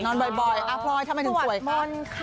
นอนบ่อยพลอยทำไมถึงสวยสวดมนตร์ค่ะ